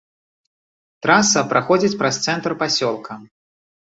Траса праходзіць праз цэнтр пасёлка.